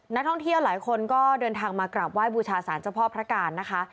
นักท่องเที่ยวหลายคนก็เดินทางมากราบไหว้บูชาสารเจ้าพ่อพระการนะคะ